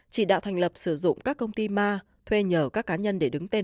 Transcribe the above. chỉ đạo thành lập sử dụng các công ty ma thuê nhờ các cá nhân để đứng tên